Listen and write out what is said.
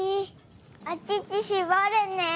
おちちしぼるね。